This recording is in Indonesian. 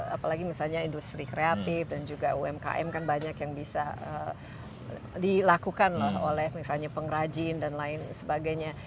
apalagi misalnya industri kreatif dan juga umkm kan banyak yang bisa dilakukan oleh misalnya pengrajin dan lain sebagainya